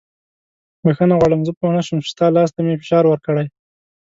بښنه غواړم زه پوه نه شوم چې ستا لاس ته مې فشار ورکړی.